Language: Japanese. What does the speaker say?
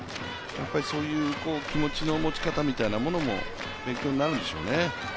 そういう気持ちの持ち方みたいなものも勉強になるんでしょうね。